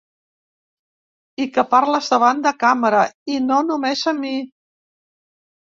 I que parlés davant de càmera, i no només a mi.